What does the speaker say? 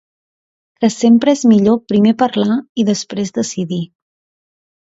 Que sempre és millor primer parlar i després decidir.